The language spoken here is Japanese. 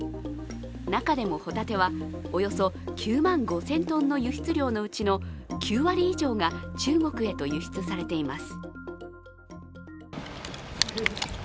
中でもホタテは、およそ９万５０００ｔの輸出量のうちの９割以上が中国へと輸出されています。